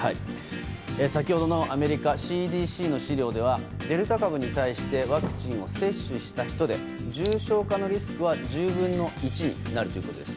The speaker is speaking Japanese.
先ほどのアメリカＣＤＣの資料ではデルタ株に対してワクチンを接種した人で重症化のリスクは１０分の１になるということです。